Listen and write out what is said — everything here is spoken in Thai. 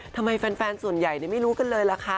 ทำไมแฟนส่วนใหญ่ไม่รู้กันเลยล่ะคะ